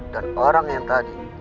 dan orang yang tadi